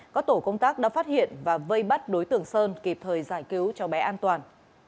có tổ công tác đã phát hiện và vây bắt đối tượng sơn kịp thời giải cứu cho bé an toàn